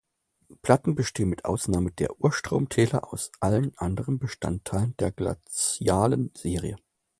Platten bestehen mit Ausnahme der Urstromtäler aus allen anderen Bestandteilen der Glazialen Serie.